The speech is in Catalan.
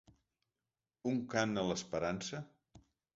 Un cant a l’esperança?